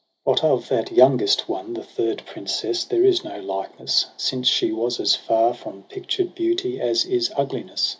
But of that youngest one, the third princess. There is no likeness j since she was as far From pictured beauty as is ugliness.